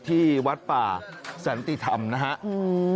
ที่วัดป่าสันติธรรมนะครับ